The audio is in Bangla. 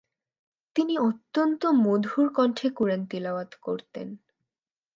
তিনি অত্যন্ত মধুর কন্ঠে কুরআন তিলাওয়াত করতেন।